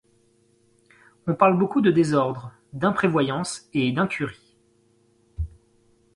On parle beaucoup de désordre, d'imprévoyance et d'incurie.